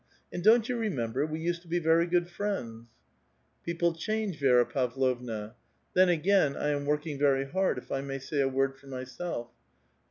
and, don't you remember, we used to be very good friends ?"" People change, Vi6ra Pavlovna. Then, again, I am working very hard, if I may say a word for myself.